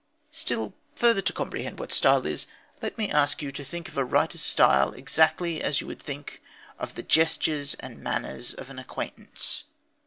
Still further to comprehend what style is, let me ask you to think of a writer's style exactly as you would think of the gestures and manners of an acquaintance.